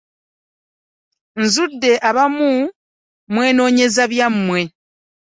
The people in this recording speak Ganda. Nkizudde abamu mwenoonyeza byammwe.